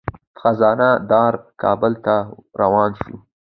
خزانه دار کابل ته روان شو.